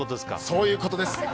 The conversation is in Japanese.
そういうことです。